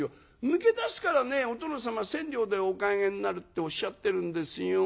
抜け出すからねお殿様千両でお買い上げになるっておっしゃってるんですよ。